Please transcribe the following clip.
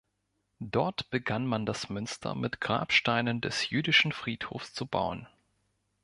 Dort begann man das Münster mit Grabsteinen des jüdischen Friedhofs zu bauen.